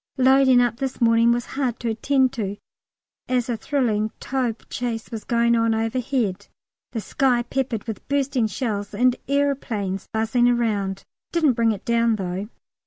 Loading up this morning was hard to attend to, as a thrilling Taube chase was going on overhead, the sky peppered with bursting shells, and aeroplanes buzzing around: didn't bring it down though.